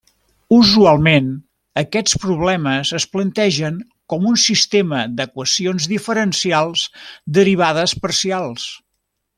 Usualment aquests problemes es plantegen com un sistema d'equacions diferencials derivades parcials.